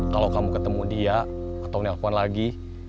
kalau kamu ketemu dia ketemu nelfon lagi